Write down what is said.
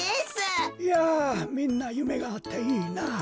いやみんなゆめがあっていいなあ。